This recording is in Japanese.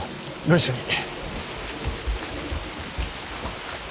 ご一緒に。